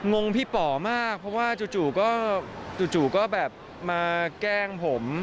งงพี่ป๋อมากเพราะว่าจู่ก็จู่ก็แบบมาแกล้งผม